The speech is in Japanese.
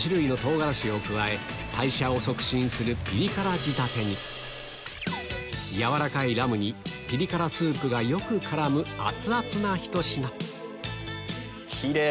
火鍋スープは代謝を促進するピリ辛仕立てに軟らかいラムにピリ辛スープがよく絡む熱々なひと品キレイ！